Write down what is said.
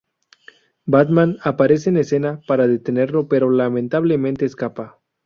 Batman aparece en escena para detenerlo pero lamentablemente escapa.